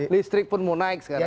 listrik pun mau naik sekarang